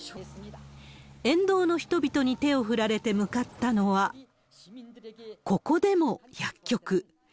沿道の人々に手を振られて向かったのは、ここでも薬局。